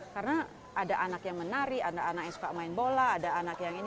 karena ada anak yang menari ada anak yang suka main bola ada anak yang ini